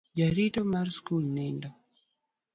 Jarito mar sikul nindo.